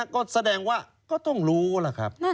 ก็แสดงว่าก็ต้องรู้ล่ะครับ